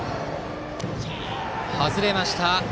外れました。